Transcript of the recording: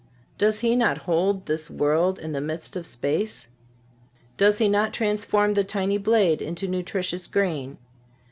Does He not hold this world in the midst of space? Does He not transform the tiny blade into nutritious grain?